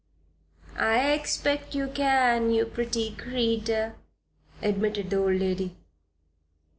"I expect you can, you pretty creeter," admitted the old lady.